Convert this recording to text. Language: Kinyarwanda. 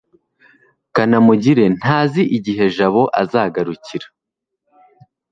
kanamugire ntazi igihe jabo azagarukira